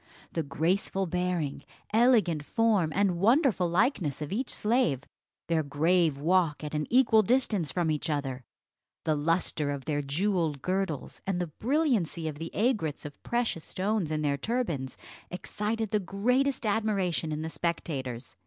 The graceful bearing, elegant form, and wonderful likeness of each slave; their grave walk at an equal distance from each other, the lustre of their jewelled girdles, and the brilliancy of the aigrettes of precious stones in their turbans, excited the greatest admiration in the spectators.